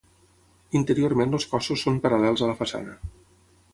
Interiorment els cossos són paral·lels a la façana.